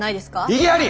異議あり！